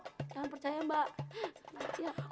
jangan percaya mbak